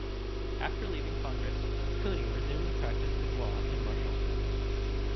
After leaving Congress, Cooney resumed the practice of law in Marshall.